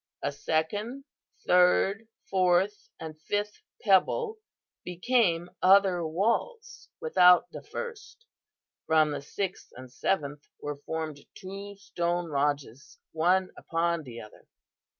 A second, third, fourth and fifth pebble became other walls without the first. From the sixth and seventh were formed two stone lodges, one upon the other.